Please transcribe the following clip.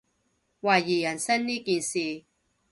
懷疑人生呢件事